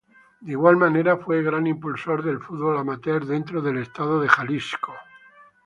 De igual manera fue gran impulsor del fútbol amateur dentro del estado de Jalisco.